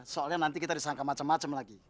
soalnya nanti kita disangka macem macem lagi